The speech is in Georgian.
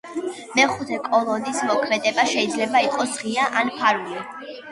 მეხუთე კოლონის მოქმედება შეიძლება იყოს ღია ან ფარული.